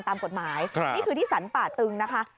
ตามกฎหมายนี่คือที่สรรป่าตึงนะคะ